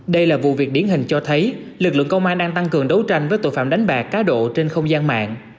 đây là vụ việc điển hình cho thấy lực lượng công an đang tăng cường đấu tranh với tội phạm đánh bạc cá độ trên không gian mạng